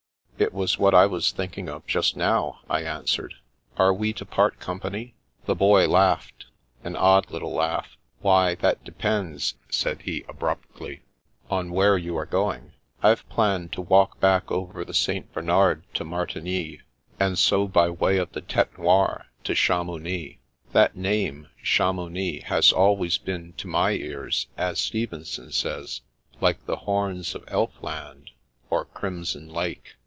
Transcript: " It was what I was thinking of just now," I answered. " Are we to part company? " The Boy laughed — ^an odd little laugh. " Why, that depends," said he abruptly, " on where you are going. I've planned to walk back over the St. Bernard to Martigny, and so by way of the Tete Noire to Chamounix. That name — Chamounix — has always been to my ears, as Stevenson says, * like the horns of elf land, or crimson lake.'